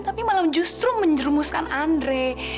tapi malah justru menjerumuskan andre